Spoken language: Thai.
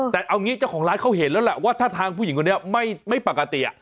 แต่เอางี้เจ้าของร้านเขาเห็นแล้วแหละว่าถ้าทางผู้หญิงคนนี้ไม่ปกติ